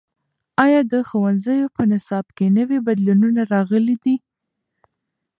ایا د ښوونځیو په نصاب کې نوي بدلونونه راغلي دي؟